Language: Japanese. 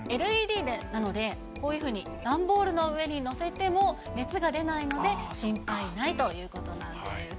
ＬＥＤなので、こういうふうに段ボールの上に載せても熱が出ないので、心配ないということなんです。